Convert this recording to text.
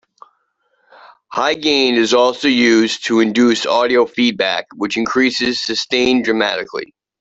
High gain is also used to induce audio feedback, which increases sustain dramatically.